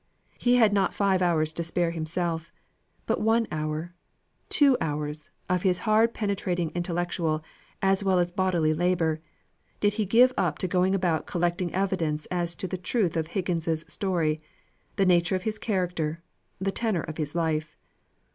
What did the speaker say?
He had not five hours to spare, himself; but one hour two hours, of his hard penetrating intellectual, as well as bodily labour, did he give up to going about collecting evidence as to the truth of Higgins's story, the nature of his character, the tenor of his life.